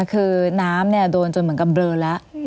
คือน้ำโดนจนเหมือนกับเบลอแล้ว